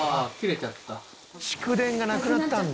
蓄電がなくなったんだ。